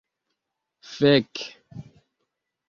fek